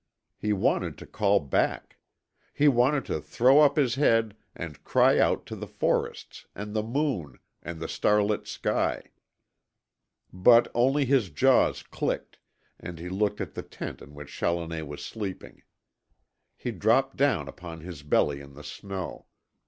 He wanted to call back. He wanted to throw up his head and cry out to the forests, and the moon, and the starlit sky. But only his jaws clicked, and he looked at the tent in which Challoner was sleeping. He dropped down upon his belly in the snow.